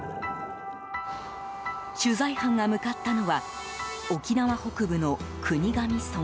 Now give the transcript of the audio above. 取材班が向かったのは沖縄北部の国頭村。